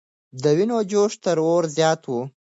د وینو جوش تر اور زیات و.